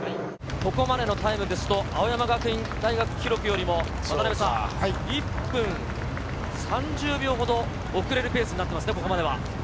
ここまでのタイムですと、青山学院大学記録よりも、渡辺さん、１分３０秒ほど遅れるペースになっていますね、ここまでは。